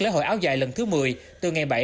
lễ hội áo dài lần thứ một mươi từ ngày bảy